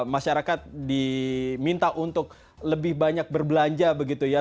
masyarakat diminta untuk lebih banyak berbelanja begitu ya